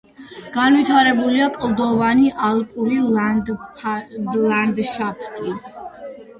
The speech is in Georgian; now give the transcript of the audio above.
განვითარებულია კლდოვანი ალპური ლანდშაფტი.